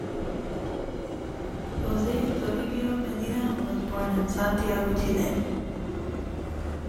Jose Toribio Medina was born in Santiago, Chile.